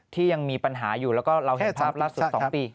ที่ยังมีปัญหาอยู่แล้วก็เราเห็นภาพล่าสุด๒ปี